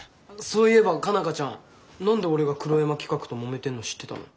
そういえば佳奈花ちゃん何で俺が黒山企画ともめてるの知ってたの？